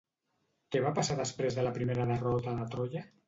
Què va passar després de la primera derrota de Troia?